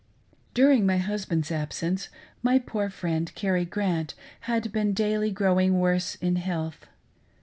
During my husband's absence, my poor friend Carrie Grant had been daily growing worse in health.